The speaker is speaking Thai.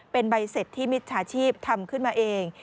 เป็นใบเสร็จที่มิจฉาชีพทำขึ้นมาเอง